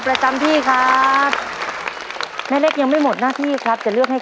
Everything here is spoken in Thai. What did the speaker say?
ประจำที่ครับแม่เล็กยังไม่หมดหน้าที่ครับจะเลือกให้